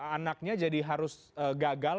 anaknya jadi harus gagal